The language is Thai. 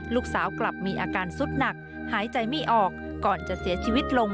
ลูกสาวกลับมีอาการสุดหนักหายใจไม่ออกก่อนจะเสียชีวิตลง